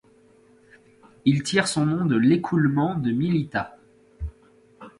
Il tire son nom de l'écoulement de Mylitta.